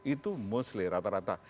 itu mostly rata rata